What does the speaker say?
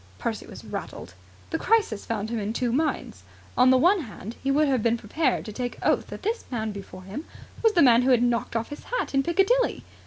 Percy was rattled. The crisis found him in two minds. On the one hand, he would have been prepared to take oath that this man before him was the man who had knocked off his hat in Piccadilly.